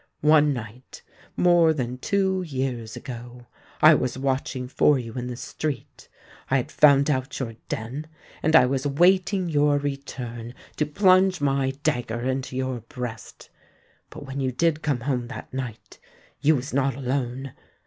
One night—more than two years ago—I was watching for you in the street. I had found out your den—and I was waiting your return, to plunge my dagger into your breast. But when you did come home that night, you was not alone.